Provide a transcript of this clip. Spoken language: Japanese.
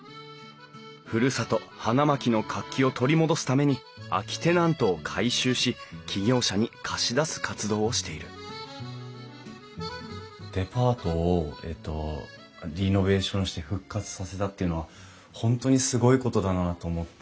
ふるさと花巻の活気を取り戻すために空きテナントを改修し起業者に貸し出す活動をしているデパートをリノベーションして復活させたっていうのは本当にすごいことだなと思って。